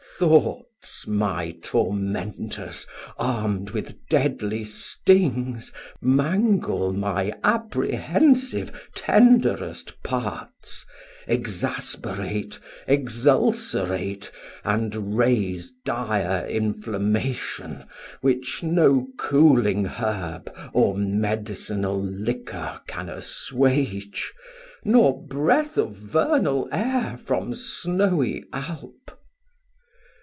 Thoughts my Tormenters arm'd with deadly stings Mangle my apprehensive tenderest parts, Exasperate, exulcerate, and raise Dire inflammation which no cooling herb Or medcinal liquor can asswage, Nor breath of Vernal Air from snowy Alp.